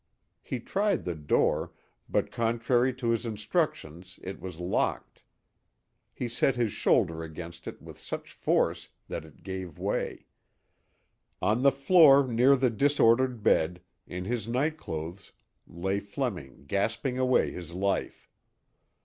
He tried the door, but contrary to his instructions it was locked. He set his shoulder against it with such force that it gave way. On the floor near the disordered bed, in his night clothes, lay Fleming gasping away his life.